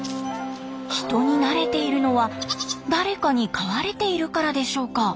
人に慣れているのは誰かに飼われているからでしょうか？